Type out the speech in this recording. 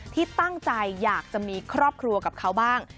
ที่ตั้งใจอยากจะมีครอบครัวกับเขาบ้าง